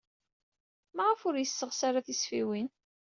Maɣef ur yesseɣsi ara tisfiwin?